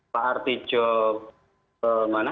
pak arti jok ke mana